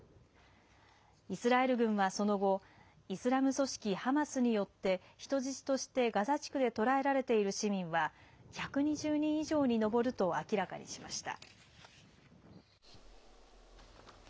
イスラエル軍はその後、イスラム組織ハマスによって人質としてガザ地区で捕らえられている市民は１２０人以上に上ると明らかにしました。